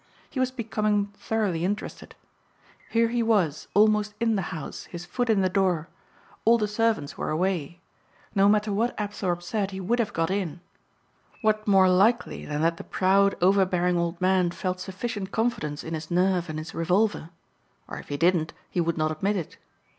He was becoming thoroughly interested. "Here he was almost in the house, his foot in the door. All the servants were away. No matter what Apthorpe said he would have got in. What more likely than that the proud overbearing old man felt sufficient confidence in his nerve and his revolver? Or if he didn't he would not admit it.